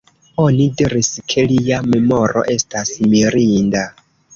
Oni diris ke lia memoro estas mirinda.